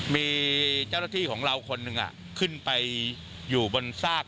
มีเจ้าหน้าที่ของเราคนหนึ่งขึ้นไปอยู่บนซาก